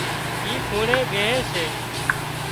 اِي کونڻي ٻيهي سي